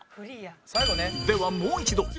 はもう一度